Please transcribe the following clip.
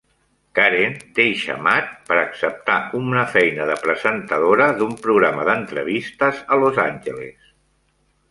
Karen deixa Matt per acceptar una feina de presentadora d'un programa d'entrevistes a Los Angeles.